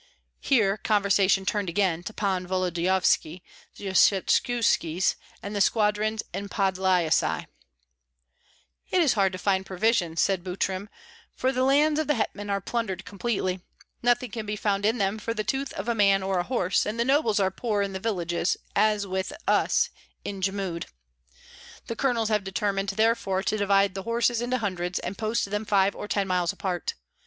Here conversation turned again to Pan Volodyovski, the Skshetuskis, and the squadrons in Podlyasye. "It is hard to find provisions," said Butrym, "for the lands of the hetman are plundered completely, nothing can be found in them for the tooth of a man or a horse; and the nobles are poor in the villages, as with us in Jmud. The colonels have determined therefore to divide the horses into hundreds, and post them five or ten miles apart.